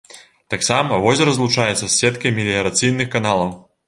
Таксама возера злучаецца з сеткай меліярацыйных каналаў.